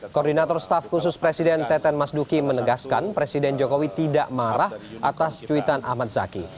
koordinator staf khusus presiden teten mas duki menegaskan presiden jokowi tidak marah atas cuitan ahmad zaki